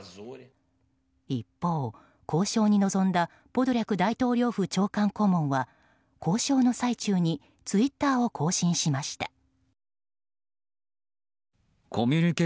一方、交渉に臨んだポドリャク大統領府長官顧問は交渉の最中にツイッターを更新しました。